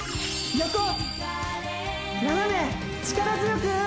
力強く！